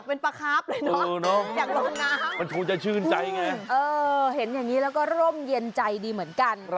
เป็นปลาคาฟเลยเนอะอยากลองน้ำมันคงจะชื่นใจไงเห็นอย่างนี้แล้วก็ร่มเย็นใจดีเหมือนกัน